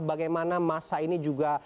bagaimana masa ini juga